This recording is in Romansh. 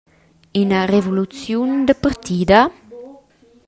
Ina revoluziun da partida?